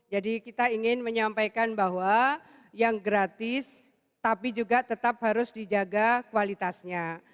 jadi kita ingin menyampaikan bahwa yang gratis tapi juga tetap harus dijaga kualitasnya